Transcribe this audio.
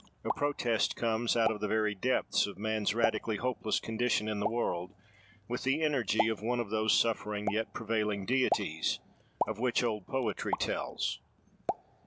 A protest comes, out of the very depths of man's radically hopeless condition in the world, with the energy of one of those suffering yet prevailing deities, of which old poetry tells.